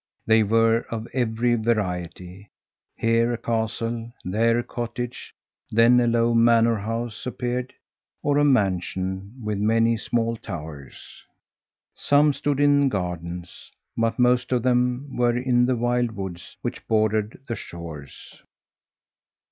They were of every variety here a castle, there a cottage; then a low manor house appeared, or a mansion, with many small towers. Some stood in gardens, but most of them were in the wild woods which bordered the shores.